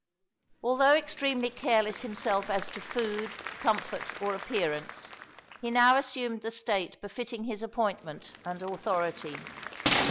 Although extremely careless himself as to food, comfort, or appearance, he now assumed the state befitting his appointment and authority.